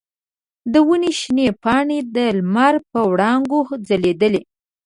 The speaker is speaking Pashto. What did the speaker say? د ونې شنې پاڼې د لمر په وړانګو ځلیدلې.